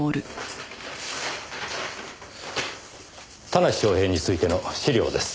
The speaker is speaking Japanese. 田無昌平についての資料です。